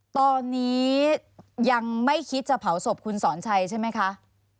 ตอนนี้ยังไม่คิดจะเผาศพคุณสอนชัยใช่ไหมคะ